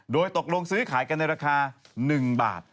โดยตกลงซื้อขายกันในราคา๑บาท